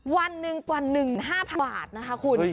วันหนึ่งวันหนึ่งห้าพาหวาดนะคะคุณ